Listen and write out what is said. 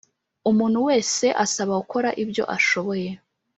Umuntu wese asaba gukora ibyo ashoboye